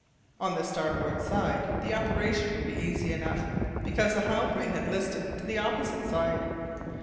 On the starboard side the operation would be easy enough, because the Halbrane had a list to the opposite side.